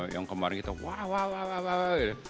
yang kemarin kita wah wah wah wah gitu